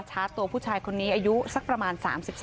ชาร์จตัวผู้ชายคนนี้อายุสักประมาณ๓๒